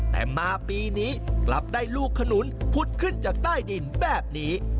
แต่มาปีนี้กลับได้ลูกขนุนผุดขึ้นจากใต้ดินแบบนี้